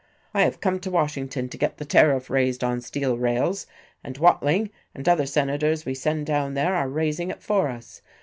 I have come to Washington to get the tariff raised on steel rails; and Watling and other senators we send down there are raising it for us.